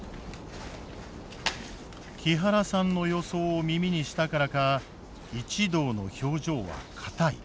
木原さんの予想を耳にしたからか一同の表情は硬い。